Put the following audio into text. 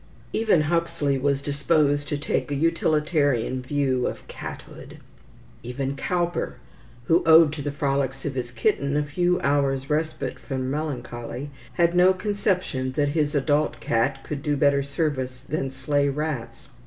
Even Huxley was disposed to take a utilitarian view of cathood. Even Cowper, who owed to the frolics of his kitten a few hours' respite from melancholy, had no conception that his adult cat could do better service than slay rats.